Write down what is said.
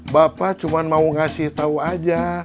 bapak cuma mau ngasih tahu aja